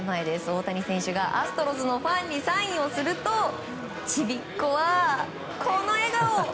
大谷選手がアストロズのファンにサインをするとちびっこは、この笑顔。